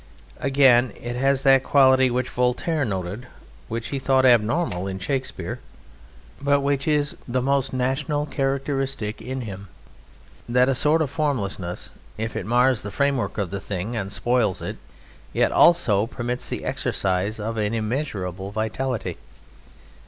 Again, it has that quality which Voltaire noted, which he thought abnormal in Shakespeare, but which is the most national characteristic in him, that a sort of formlessness, if it mars the framework of the thing and spoils it, yet also permits the exercise of an immeasurable vitality.